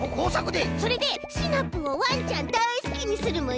それでシナプーをわんちゃんだいすきにするもんね。